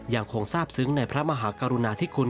ยังคงทราบซึ้งในพระมหากรุณาธิคุณ